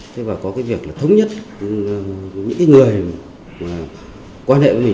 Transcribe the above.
thế và có cái việc là thống nhất những người quan hệ với mình